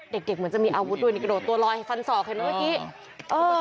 เด็กเหมือนจะมีอาวุธด้วยนี่กระโดดตัวลอยฟันศอกเห็นไหมเมื่อกี้